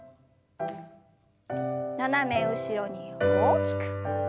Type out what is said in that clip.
斜め後ろに大きく。